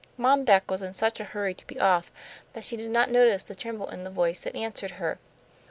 Mom Beck was in such a hurry to be off that she did not notice the tremble in the voice that answered her.